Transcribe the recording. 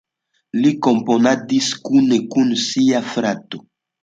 Li komponadis kune kun sia frato.